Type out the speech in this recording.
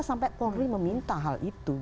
sampai polri meminta hal itu